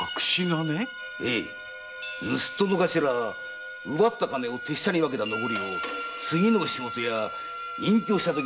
盗っ人の頭は奪った金を手下に分けた残りを次の仕事や隠居したときのために隠しておくもの。